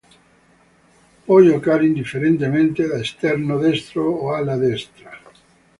Può giocare indifferentemente da esterno destro o ala destra.